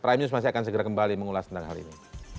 prime news masih akan segera kembali mengulas tentang hal ini